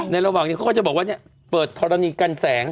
ระหว่างนี้เขาก็จะบอกว่าเปิดธรณีกันแสง